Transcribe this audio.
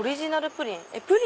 プリン？